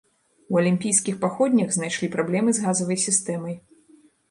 У алімпійскіх паходнях знайшлі праблемы з газавай сістэмай.